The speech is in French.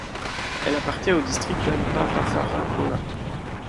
Elle appartient au district d'Amparafaravola.